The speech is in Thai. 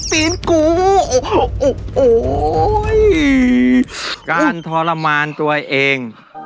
ฝีมือคงจะสู้แม่ไม่ได้อ่ะน้อง